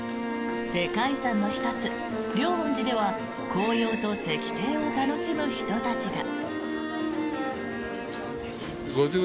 世界遺産の１つ、龍安寺では紅葉と石庭を楽しむ人たちが。